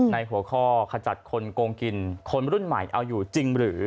ในหัวข้อคอจัดคนโกงกินคนมรุ่นใหม่อายุจริงหรือ